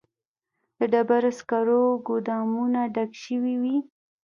د ډبرو سکرو ګودامونه ډک شوي وي